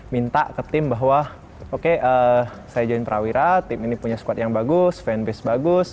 minta ke tim bahwa oke saya join prawira tim ini punya squad yang bagus fanbase bagus